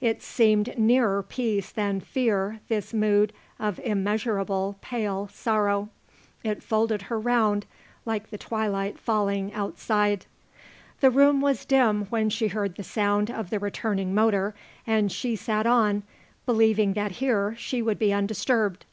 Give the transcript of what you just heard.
It seemed nearer peace than fear, this mood of immeasurable, pale sorrow. It folded her round like the twilight falling outside. The room was dim when she heard the sound of the returning motor and she sat on, believing that here she would be undisturbed.